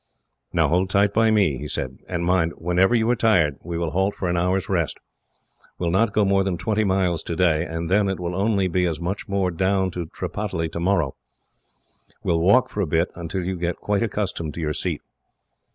"Now hold tight by me," he said, "and mind, whenever you are tired, we will halt for an hour's rest. We will not go more than twenty miles today, and then it will only be as much more down to Tripataly, tomorrow. We will walk for a bit, until you get quite accustomed to your seat."